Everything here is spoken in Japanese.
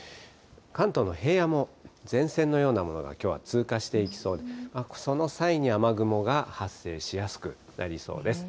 関東の平野も、前線のようなものがきょうは通過していきそうで、その際に、雨雲が発生しやすくなりそうです。